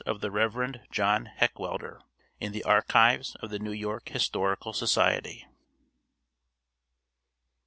of the Rev. John Heckwelder, in the archives of the New York Historical Society.